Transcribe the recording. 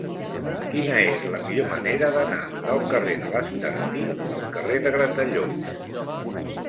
Quina és la millor manera d'anar del carrer de l'Estartit al carrer de Gratallops?